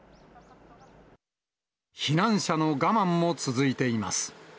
避難者の我慢も続いています。